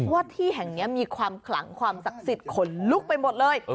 ที่แห่งนี้มีความขลังความศักดิ์สิทธิ์ขนลุกไปหมดเลย